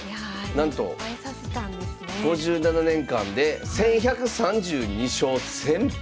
なんと５７年間で１，１３２勝１，０００敗。